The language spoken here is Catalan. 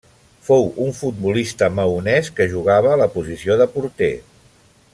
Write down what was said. Fou un futbolista maonès que jugava a la posició de porter.